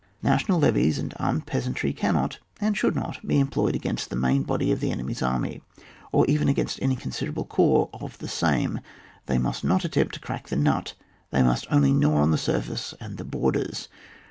National levies and armed peasantry cannot and should not be employed against the main body of the enemy's army, or even against any considerable corps of the same, they must not attempt to crack the nut, they must only gnaw on the surface and the borders.